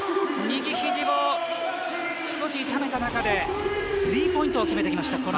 右肘を少し痛めた中でスリーポイントを決めてきました。